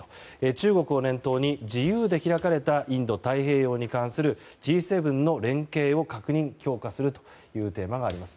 中国を念頭に、自由で開かれたインド太平洋に関するＧ７の連携を確認・強化するというテーマがあります。